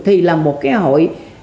thì là một cái hội